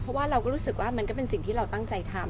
เพราะว่าเราก็รู้สึกว่ามันก็เป็นสิ่งที่เราตั้งใจทำ